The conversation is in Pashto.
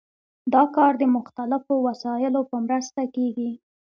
دا کار د مختلفو وسایلو په مرسته کیږي.